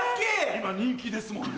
今人気ですもんね。